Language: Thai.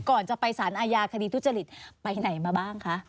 ก่อนจะไปสารอาญาคดีทุจริตไปไหนมาบ้างคะ